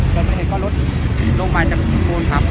เกิดมันเห็นก็รถลงไปจากบนครับ